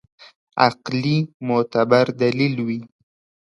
عقلي معتبر دلیل وي.